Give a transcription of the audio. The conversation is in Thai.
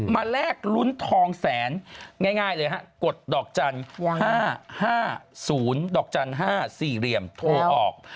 มาแลกรุ้นทองแสนง่ายเลยฮะกดดอกจันทร์๕๕๐๕๔โทรออก